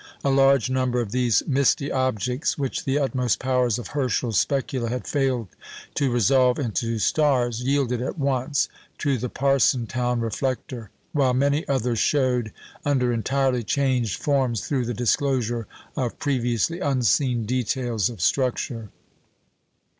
A large number of these misty objects, which the utmost powers of Herschel's specula had failed to resolve into stars, yielded at once to the Parsonstown reflector; while many others showed under entirely changed forms through the disclosure of previously unseen details of structure.